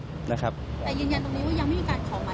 แต่ยืนยันตรงนี้ว่ายังไม่มีการขอหมายค้นใช่มั้ยคะ